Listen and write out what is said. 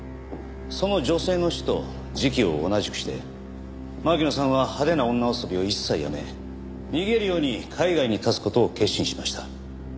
その女性の死と時期を同じくして巻乃さんは派手な女遊びを一切やめ逃げるように海外に発つ事を決心しました。